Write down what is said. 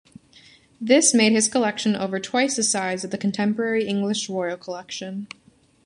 This made his collection over twice the size of the contemporary English Royal collection.